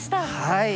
はい。